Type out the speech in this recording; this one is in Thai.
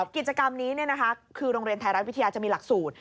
กิจกรรมนี้คือโรงเรียนไทยรัฐวิทยาจะมีหลักสูตร